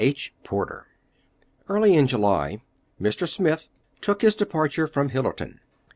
JOHN SMITH Early in July Mr. Smith took his departure from Hillerton.